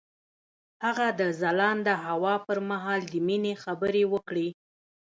هغه د ځلانده هوا پر مهال د مینې خبرې وکړې.